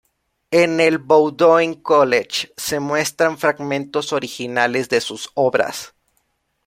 En el Bowdoin College se muestran fragmentos originales de sus obras.